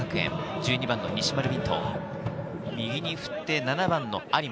１２番・西丸道人を右に振って、７番の有馬。